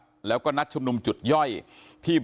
สวัสดีคุณผู้ชมครับสวัสดีคุณผู้ชมครับ